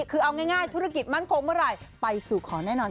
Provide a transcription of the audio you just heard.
คือเอาง่ายธุรกิจมั่นคงเมื่อไหร่ไปสู่ขอแน่นอน